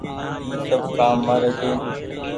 اي سب ڪآم مآري ڇي۔